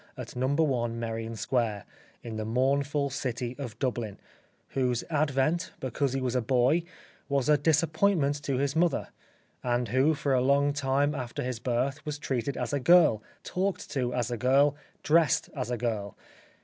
i Merrion Square, in the mournful city of Dubhn ; whose advent, because he was a boy, was a disappoint ment to his mother, and who for a long time after his birth was treated as a girl, talked to as a girl, dressed as a girl.